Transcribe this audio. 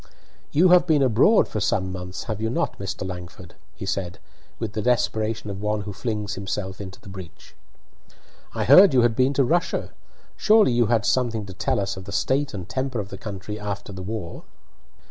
"You have been abroad for some months, have you not, Mr. Langford?" he said, with the desperation of one who flings himself into the breach. "I heard you had been to Russia. Surely you have something to tell us of the state and temper of the country after the war?"